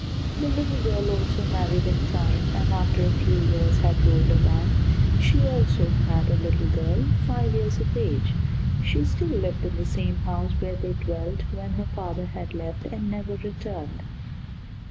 The little girl also married in time, and after a few years had rolled around, she also had a little girl five years of age. She still lived in the same house where they dwelt when her father had left and never returned.